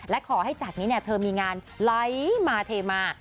และขอให้จะนี้เนี่ยเธอมีงานไลค์มาเถมา